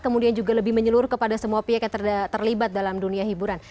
kemudian juga lebih menyeluruh kepada semua pihak yang terlibat dalam dunia hiburan